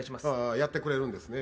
やってくれるんですね。